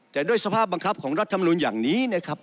แต่ด้วยสภาพบังคับของรัฐธรรมนูลอย่างนี้นะครับ